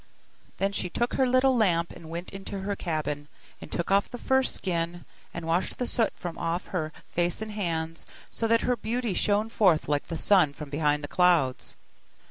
Then she took her little lamp, and went into her cabin, and took off the fur skin, and washed the soot from off her face and hands, so that her beauty shone forth like the sun from behind the clouds.